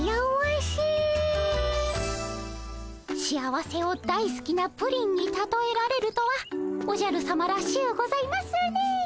幸せを大すきなプリンにたとえられるとはおじゃるさまらしゅうございますね。